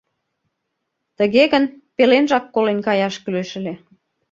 — Тыге гын, пеленжак колен каяш кӱлеш ыле.